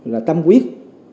là tâm quyết